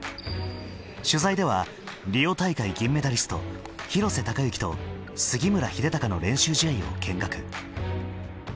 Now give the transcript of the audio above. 取材ではリオ大会銀メダリスト廣瀬隆喜と杉村英孝の練習試合を見学。